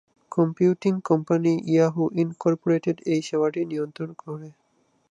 Computing company Yahoo incorporated এই সেবাটি নিয়ন্ত্রণ করে।